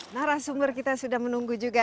narasumber kita sudah menunggu juga